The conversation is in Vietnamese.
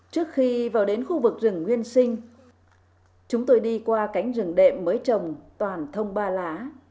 trước khi vào đến khu vực rừng nguyên sinh chúng tôi đi qua cánh rừng đệm mới trồng toàn thông ba lá